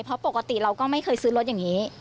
เพราะปกติเราก็ไม่เคยซื้อรถอย่างนี้